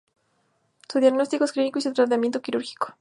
Su diagnóstico es clínico y su tratamiento quirúrgico.